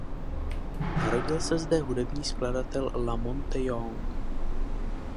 Narodil se zde hudební skladatel La Monte Young.